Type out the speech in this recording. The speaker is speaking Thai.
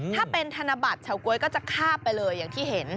ถ้าเป็นธนบัตรเฉาก๊วยก็จะคาบไปเลยอย่างที่เห็น